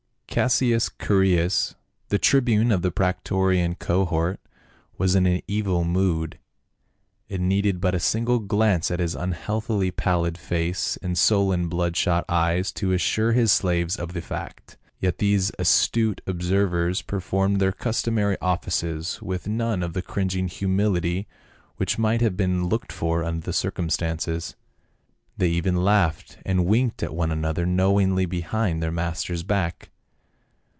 CASSIUS CHAEREAS, the tribune of the prae torian cohort, was in an evil mood. It needed but a single glance at his unhealthily pallid face and sullen blood shot eyes to assure his slaves of the fact, yet these astute observers performed their customary offices with none of the cringing humility which might have been looked for under the circumstances ; they even laughed and winked at one another knowingly behind their master's back.